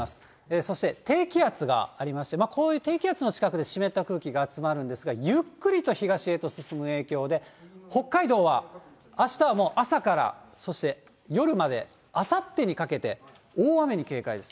そして、低気圧がありまして、こういう低気圧の近くで湿った空気が集まるんですが、ゆっくりと東へと進む影響で、北海道はあしたはもう朝から、そして夜まで、あさってにかけて、大雨に警戒です。